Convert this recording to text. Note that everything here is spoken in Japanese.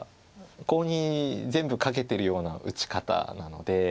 コウに全部懸けてるような打ち方なので。